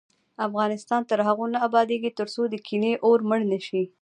افغانستان تر هغو نه ابادیږي، ترڅو د کینې اور مړ نشي.